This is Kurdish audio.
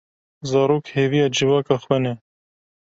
Zarok hêviya civaka xwe ne.